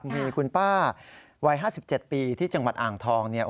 มีคุณป้าวัย๕๗ปีที่จังหวัดอ่างทองเนี่ย